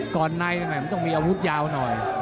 ก่อนในมันต้องมีอาวุธยาวหน่อย